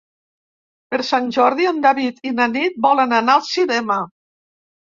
Per Sant Jordi en David i na Nit volen anar al cinema.